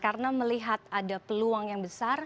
karena melihat ada peluang yang besar